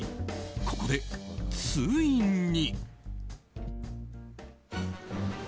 ここでついに。